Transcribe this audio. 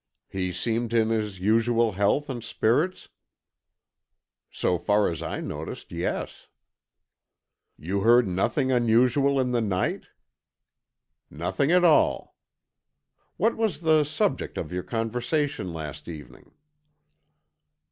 "He seemed in his usual health and spirits?" "So far as I noticed, yes." "You heard nothing unusual in the night?" "Nothing at all." "What was the subject of your conversation last evening?"